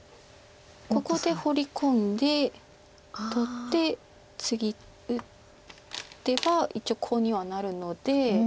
ここでホウリ込んで取ってツギ打てば一応コウにはなるので。